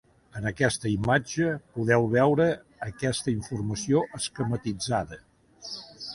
En aquesta imatge podeu veure aquesta informació esquematitzada.